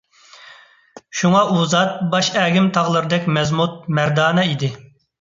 شۇڭا ئۇ زات ، باش ئەگىم تاغلىرىدەك مەزمۇت - مەردانە ئىدى .